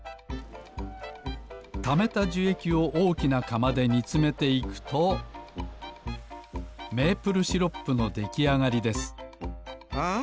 ためたじゅえきをおおきなかまでにつめていくとメープルシロップのできあがりですあ